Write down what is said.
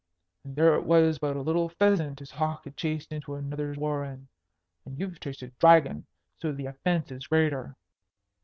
And there it was but a little pheasant his hawk had chased into another's warren and you've chased a dragon, so the offence is greater."